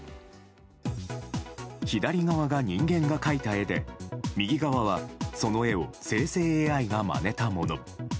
左側が人間が描いた絵で右側はその絵を生成ＡＩがまねたもの。